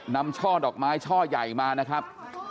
ช่อดอกไม้ช่อใหญ่มานะครับ